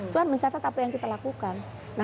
tuhan mencatat apa yang kita lakukan